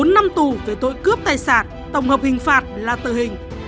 bốn năm tù về tội cướp tài sản tổng hợp hình phạt là tử hình